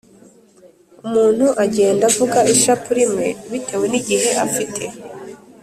umuntu agenda avuga ishapule imwe bitewe n’igihe afite